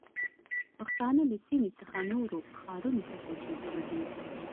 پښتانه له سیمې څخه نورو ښارونو ته کوچېدلي دي.